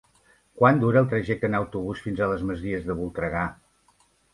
Quant dura el trajecte en autobús fins a les Masies de Voltregà?